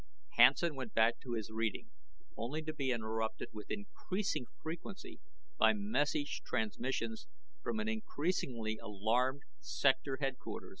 Hansen went back to his reading, only to be interrupted with increasing frequency by message transmissions from an increasingly alarmed Sector Headquarters.